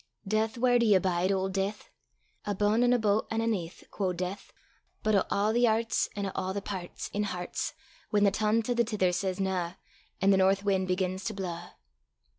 "Death! whaur do ye bide, auld Death?" "Abune an' aboot an' aneath," Quo' Death. "But o' a' the airts, An' o' a' the pairts, In herts, Whan the tane to the tither says na, An' the north win' begins to blaw."